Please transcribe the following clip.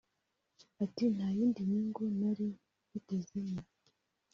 Ati "Nta yindi nyungu nari mbitezemo